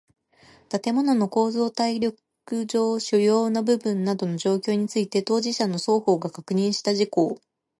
建物の構造耐力上主要な部分等の状況について当事者の双方が確認した事項